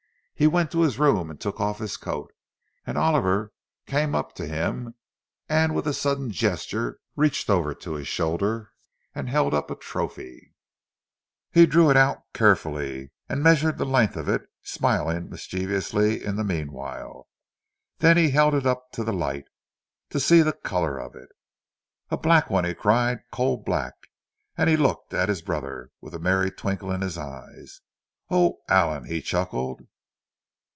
He went to his room, and took off his coat; and Oliver came up to him, and with a sudden gesture reached over to his shoulder, and held up a trophy. He drew it out carefully, and measured the length of it, smiling mischievously in the meanwhile. Then he held it up to the light, to see the colour of it. "A black one!" he cried. "Coal black!" And he looked at his brother, with a merry twinkle in his eyes. "Oh, Allan!" he chuckled.